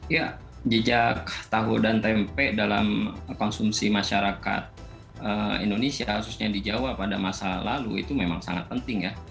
ya jejak tahu dan tempe dalam konsumsi masyarakat indonesia khususnya di jawa pada masa lalu itu memang sangat penting ya